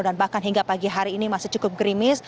bahkan hingga pagi hari ini masih cukup gerimis